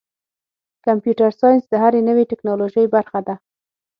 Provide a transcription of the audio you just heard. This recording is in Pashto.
کمپیوټر ساینس د هرې نوې ټکنالوژۍ برخه ده.